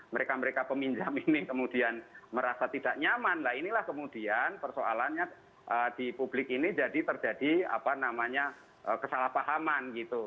mereka mereka peminjam ini kemudian merasa tidak nyaman lah inilah kemudian persoalannya di publik ini jadi terjadi apa namanya kesalahpahaman gitu